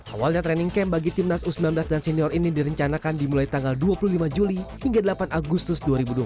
awalnya training camp bagi timnas u sembilan belas dan senior ini direncanakan dimulai tanggal dua puluh lima juli hingga delapan agustus dua ribu dua puluh